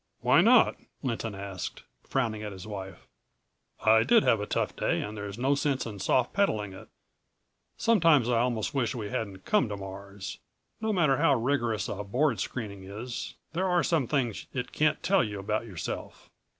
"Why not?" Lynton asked, frowning at his wife. "I did have a tough day and there's no sense in soft pedaling it. Sometimes I almost wish we hadn't come to Mars. No matter how rigorous a Board screening is ... there are some things it can't tell you about yourself.